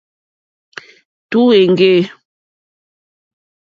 Tǔ èŋɡê.